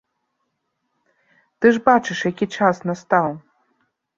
Ты ж бачыш, які час настаў.